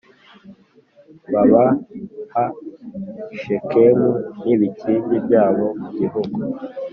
Babaha i Shekemu n ibikingi byaho mu gihugu